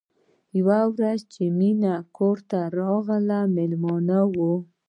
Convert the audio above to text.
یوه ورځ چې مینه کور ته راغله مېلمانه وو